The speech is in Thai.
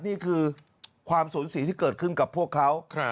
นี่คือความสูญเสียที่เกิดขึ้นกับพวกเขา